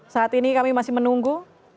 saat ini kami masih menunggu